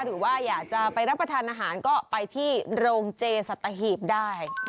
หรือว่าอยากจะไปรับประทานอาหารก็ไปที่โรงเจสัตหีบได้